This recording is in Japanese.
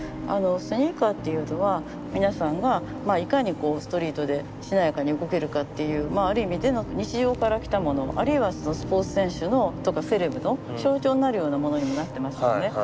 スニーカーっていうのは皆さんがいかにこうストリートでしなやかに動けるかっていうある意味での日常からきたものあるいはスポーツ選手のとかセレブの象徴になるようなものにもなってますよね。